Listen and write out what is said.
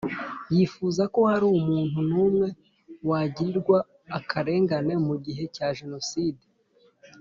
yifuza ko hari umuntu n umwe wagirirwa akarengane Mu gihe cya Jenoside